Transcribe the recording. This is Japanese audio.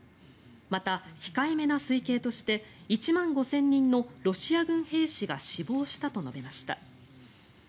また、控えめな推計として１万５０００人のロシア軍兵士が死亡したと述べました。